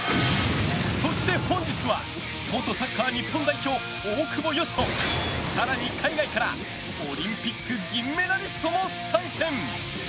そして本日は元サッカー日本代表、大久保嘉人更に海外からオリンピック銀メダリストも参戦。